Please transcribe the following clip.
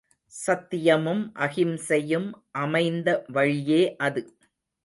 சத்தியமும் அகிம்சையும் அமைந்த வழியே அது.